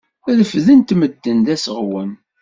Refden-t medden d aseɣwen.